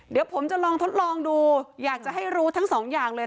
เดี๋ยวผมจะลองทดลองดูอยากจะให้รู้ทั้งสองอย่างเลย